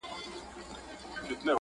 زړه کې بې سېکه ستړې ستړې سلګۍ